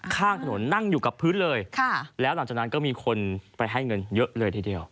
ข้างถนนนั่งอยู่กับพื้นเลยแล้วหลังจากนั้นก็มีคนไปให้เงินเยอะเลยทีเดียว